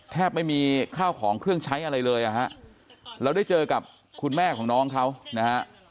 แทบไม่มีข้าวของเครื่องใช้อะไรเลยอ่ะฮะเราได้เจอกับคุณแม่ของน้องเขานะฮะ